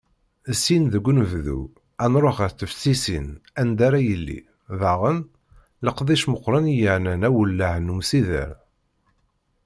Syin deg unebdu, ad nruḥ ɣer teftisin anda ara yili, daɣen, leqdic meqqren i yeɛnan awellah n umsider.